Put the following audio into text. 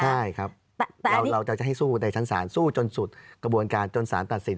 ใช่ครับเราจะให้สู้ในชั้นศาลสู้จนสุดกระบวนการจนสารตัดสิน